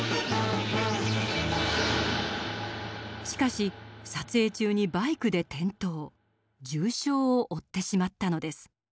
しかし撮影中にバイクで転倒重傷を負ってしまったのです。